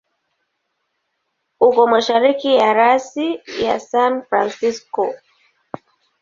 Uko mashariki ya rasi ya San Francisco.